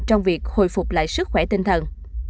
trong việc hồi phục lại sức khỏe tinh thần